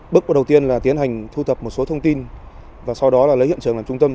bước đầu tiên là tiến hành thu tập một số thông tin và sau đó lấy hiện trường làm trung tâm